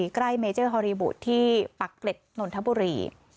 ใกล้เมเจอร์ฮอลลีวูดที่ปักเกร็ดนนทบุรี